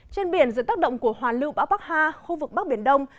trên biển dự tác động của hoàn lựu bão bắc ha khu vực bắc biển đông